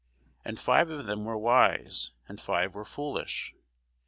And five of them were wise, and five were foolish.